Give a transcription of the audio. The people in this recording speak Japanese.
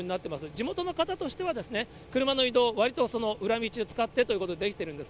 地元の方としては、車の移動、わりと裏道を使ってということ、できてるんです。